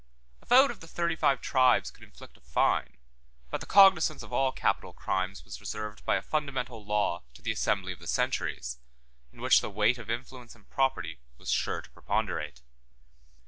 A vote of the thirty five tribes could inflict a fine; but the cognizance of all capital crimes was reserved by a fundamental law to the assembly of the centuries, in which the weight of influence and property was sure to preponderate.